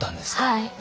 はい。